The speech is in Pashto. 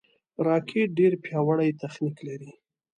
راکټ ډېر پیاوړی تخنیک لري